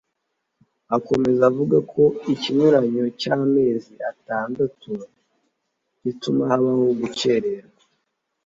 Akomeza avuga ko ikinyuranyo cy’amezi atandatu gituma habaho gukererwa